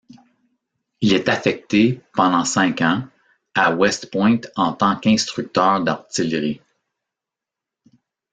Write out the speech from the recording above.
Il est affecté, pendant cinq ans, à West Point en tant qu'instructeur d'artillerie.